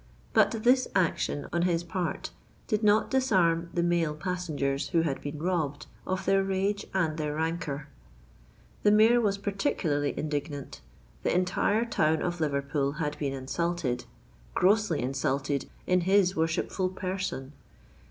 But this action on his part did not disarm the male passengers, who had been robbed, of their rage and their rancour. The Mayor was particularly indignant: the entire town of Liverpool had been insulted—grossly insulted in his worshipful person!